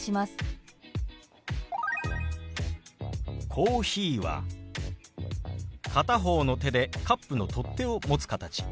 「コーヒー」は片方の手でカップの取っ手を持つ形。